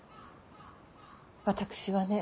私はね